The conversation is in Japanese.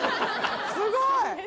すごい！